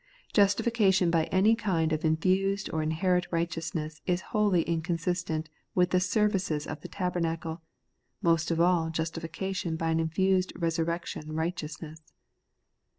Justification by any kind of infused or inherent righteousness is wholly inconsistent with the ser vices of the tabernacle, most of aU justification by an infused resurrection righteousness.